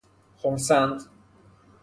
خرسند